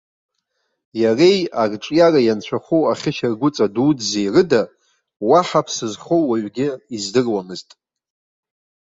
Иареи арҿиара ианцәахәу ахьышьаргәыҵа дуӡӡеи рыда уаҳа ԥсы зхоу уаҩгьы издыруамызт.